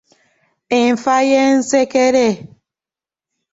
Enfa y'ensekere.